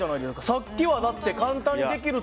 さっきはだって簡単にできるって。